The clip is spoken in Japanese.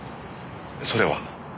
それは？